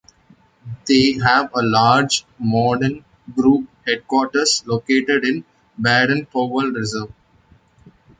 They have a large, modern, group headquarters located in Baden-Powell reserve.